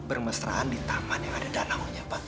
bermesraan di taman yang ada danaunya pak